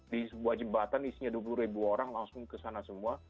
di sebuah jembatan isinya dua puluh ribu orang langsung kesana semua